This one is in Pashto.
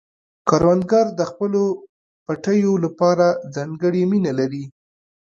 کروندګر د خپلو پټیو لپاره ځانګړې مینه لري